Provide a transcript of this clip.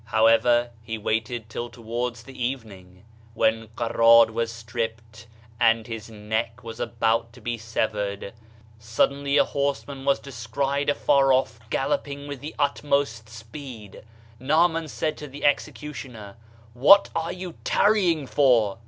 However, he waited till towards the evening. When Quarad was stripped and his neck was about to be severed, suddenly a horseman was descried afar off galloping with the utmost speed. Naaman said to the executioner: "What are you tarrying for?"